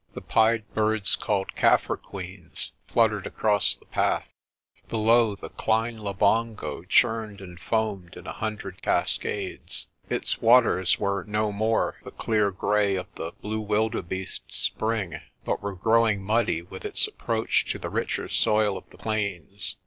The pied birds called "Kaffir queens" fluttered across the path. Below, the Klein La 56 PRESTER JOHN bongo churned and foamed in a hundred cascades. Its waters were no more the clear grey of the "Blue Wilde beeste's Spring," but were growing muddy with its approach to the richer soil of the plains.